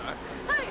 はい！